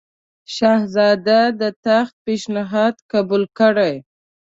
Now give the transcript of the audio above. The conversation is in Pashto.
شهزاده د تخت پېشنهاد قبول کړي.